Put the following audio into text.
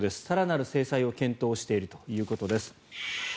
更なる制裁を検討しているということです。